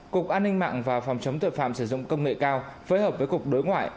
cục an ninh mạng và phòng chống tội phạm sử dụng công nghệ cao phối hợp với cục đối ngoại